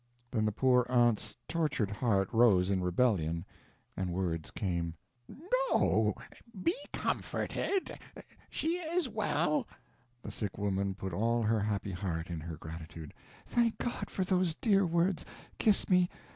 Then the poor aunt's tortured heart rose in rebellion, and words came: "No be comforted; she is well." The sick woman put all her happy heart in her gratitude: "Thank God for those dear words! Kiss me.